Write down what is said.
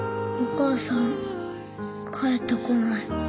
お母さん帰ってこない。